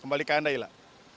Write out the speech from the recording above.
kembali ke anda ilah